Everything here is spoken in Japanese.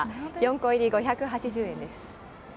４個入り５８０円です。